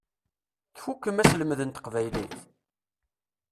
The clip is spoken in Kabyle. Tfukkem aselmed n teqbaylit?